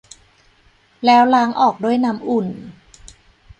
แล้วล้างออกด้วยน้ำอุ่น